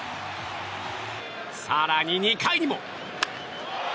更に２回にも。